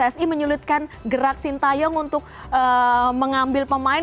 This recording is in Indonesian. apakah itu membuatkan gerak sinta yong untuk mengambil pemain